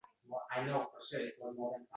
men uchun mutlaqo aqlsizlikday ko‘rinadi.